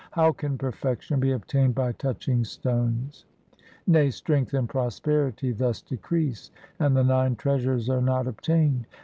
How can perfection be obtained by touching stones ? nay, strength and prosperity thus decrease, and the nine treasures are not obtained.